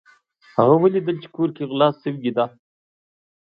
هغه ولیدل چې کور کې غلا شوې ده.